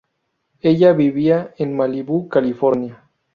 Ella vivía en Malibú, California.